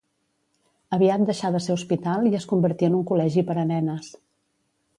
Aviat deixà de ser hospital i es convertí en un col·legi per a nenes.